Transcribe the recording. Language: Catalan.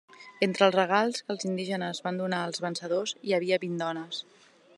Entre els regals que els indígenes van donar als vencedors hi havia vint dones.